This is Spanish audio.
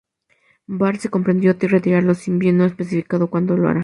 Barr se comprometió a retirarlos, si bien no ha especificado cuándo lo hará.